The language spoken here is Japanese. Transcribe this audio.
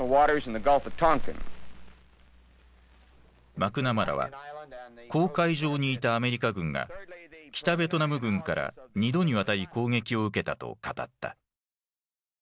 マクナマラは公海上にいたアメリカ軍が北ベトナム軍から２度にわたり攻撃を受けたと語った。